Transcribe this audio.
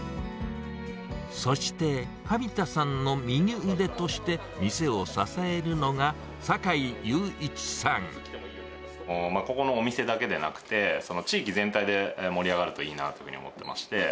そして、紙田さんの右腕として、店を支えるのが、ここのお店だけでなくて、地域全体で盛り上がるといいなというふうに思ってまして。